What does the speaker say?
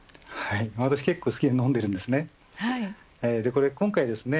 私結構好きで飲んでいるんですね。